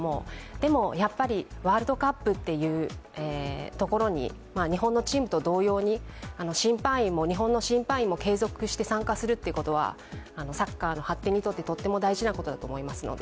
でも、やっぱりワールドカップっていうところに、日本のチームと同様に、日本の審判員も継続して参加するっていうことはサッカーの発展にとってとっても大事なことだと思いますので